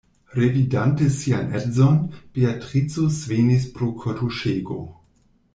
Revidante sian edzon, Beatrico svenis pro kortuŝego.